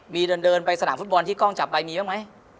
มีเดินไปสนามฟุตบอลที่กล้องจับไปมีบ้างไหม